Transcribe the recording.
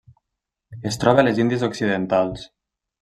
Es troba a les Índies Occidentals.